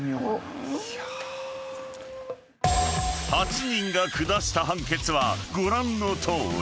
［８人が下した判決はご覧のとおり］